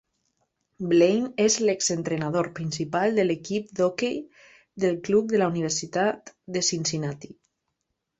Blaine és l'ex entrenador principal de l'equip d'hoquei del club de la Universitat de Cincinnati.